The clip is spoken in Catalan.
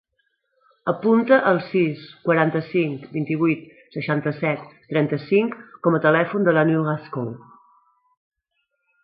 Apunta el sis, quaranta-cinc, vint-i-vuit, seixanta-set, trenta-cinc com a telèfon de la Nour Rascon.